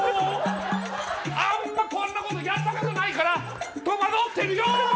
あんまこんなことやったことないから戸惑ってるよ。